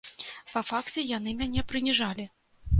Па факце яны мяне прыніжалі.